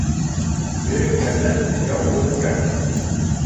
Береккәндән яу өрккән.